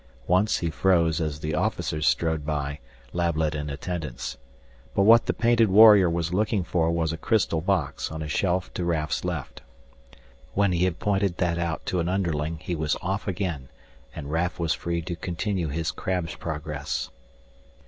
Once he froze as the officer strode by, Lablet in attendance. But what the painted warrior was looking for was a crystal box on a shelf to Raf's left. When he had pointed that out to an underling he was off again, and Raf was free to continue his crab's progress.